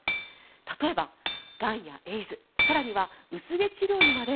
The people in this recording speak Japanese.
例えば、がんやエイズ更には薄毛治療にまで